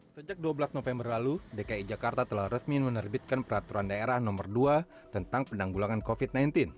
sejak dua belas november lalu dki jakarta telah resmi menerbitkan peraturan daerah nomor dua tentang penanggulangan covid sembilan belas